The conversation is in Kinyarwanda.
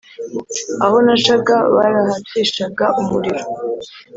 Aho nacaga barahacishaga umuriro.